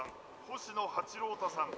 星野八郎太さん。